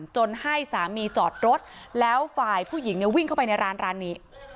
จนให้สามีจอดรถแล้วฝ่ายผู้หญิงวิ่งเข้าไปในร้านนี้